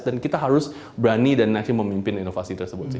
dan kita harus berani dan actually memimpin inovasi tersebut sih